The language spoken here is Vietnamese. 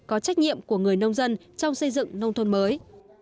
có trách nhiệm của người nông dân trong xây dựng nông thôn mới